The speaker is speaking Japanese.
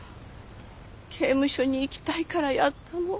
刑務所に行きたいからやったの。